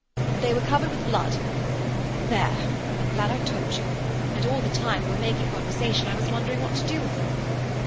"They were covered with blood. There! I'm glad I've told you; and all the time we were making conversation I was wondering what to do with them."